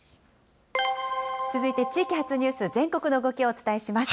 続いて地域発ニュース、全国の動きをお伝えします。